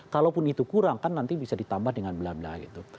kalaupun itu kurang kan nanti bisa ditambah dengan bela bela gitu